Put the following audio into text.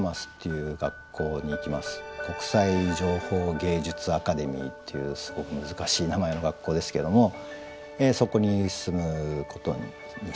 国際情報芸術アカデミーっていうすごく難しい名前の学校ですけどもそこに進むことにしました。